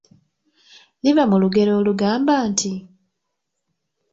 Liva mu lugero olugamba nti,